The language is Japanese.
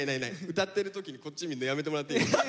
歌ってる時にこっち見んのやめてもらっていいですか。